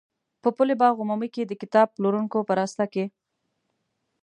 په پل باغ عمومي کې د کتاب پلورونکو په راسته کې.